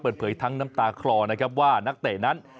ทั้งน้ำตาคลอนะครับว่านักเตะนั้น